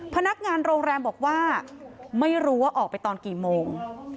พนักงานโรงแรมบอกว่าไม่รู้ว่าออกไปตอนกี่โมง